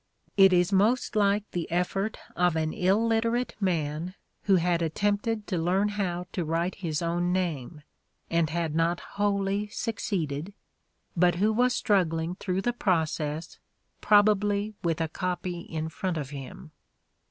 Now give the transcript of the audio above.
It is most like the effort of an illiterate man who had attempted to learn how to write his own name, and had not wholly succeeded, but who was struggling through the process, probably with a copy in front of him.